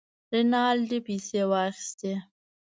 رینالډي پیسې واخیستې.